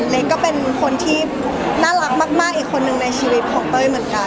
ก็เป็นคนที่น่ารักมากอีกคนนึงในชีวิตของเต้ยเหมือนกัน